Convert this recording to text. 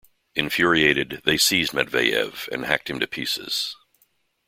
Infuriated, they seized Matveyev and hacked him to pieces.